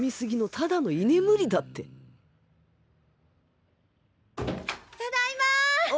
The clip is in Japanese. ただいま！